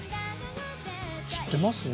知ってますね。